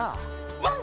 ワン！